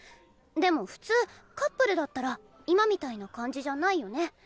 でも普通カップルだったら今みたいな感じじゃないよね。